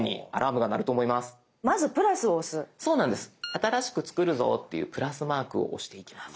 新しく作るぞというプラスマークを押していきます。